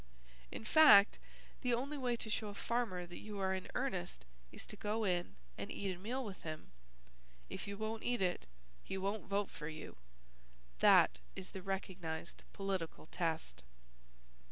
In fact, the only way to show a farmer that you are in earnest is to go in and eat a meal with him. If you won't eat it, he won't vote for you. That is the recognized political test.